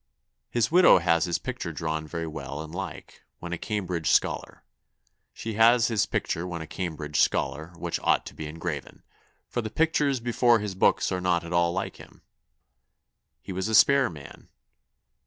His widowe has his picture drawne very well and like, when a Cambridge scollar. She has his picture when a Cambridge scollar, which ought to be engraven; for the pictures before his books are not at all like him.... He was a spare man....